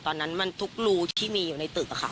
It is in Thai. ตอนนั้นมันทุกรูที่มีอยู่ในตึกค่ะ